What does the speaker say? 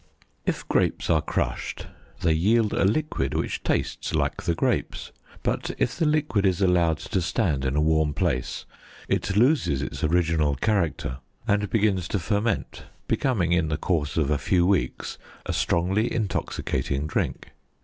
If grapes are crushed, they yield a liquid which tastes like the grapes; but if the liquid is allowed to stand in a warm place, it loses its original character, and begins to ferment, becoming, in the course of a few weeks, a strongly intoxicating drink.